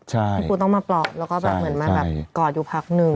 พี่ปูต้องมาปลอบแล้วก็แบบเหมือนมาแบบกอดอยู่พักนึง